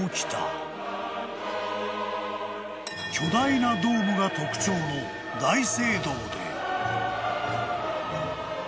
［巨大なドームが特徴の大聖堂で］